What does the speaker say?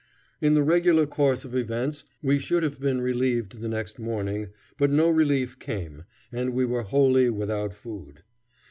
In the regular course of events we should have been relieved the next morning, but no relief came, and we were wholly without food.